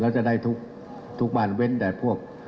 แล้วจะได้ทุกบ้านเว้นแต่พวก